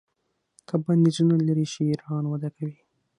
که بندیزونه لرې شي ایران وده کوي.